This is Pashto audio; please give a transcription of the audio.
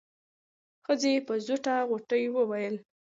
ښځې په زوټه غوټۍ وويل.